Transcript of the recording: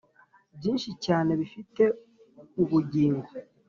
byinshi cyane bifite ubugingo